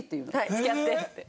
「付き合って」って。